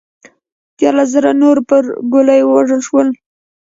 دیارلس زره نور پر ګولیو ووژل شول